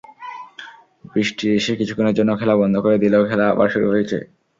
বৃষ্টি এসে কিছুক্ষণের জন্য খেলা বন্ধ করে দিলেও খেলা আবার শুরু হয়েছে।